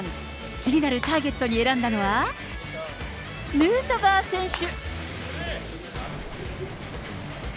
次なるターゲットに選んだのは、ヌートバー選手。